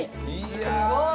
すごい！